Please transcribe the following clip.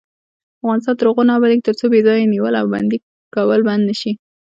افغانستان تر هغو نه ابادیږي، ترڅو بې ځایه نیول او بندي کول بند نشي.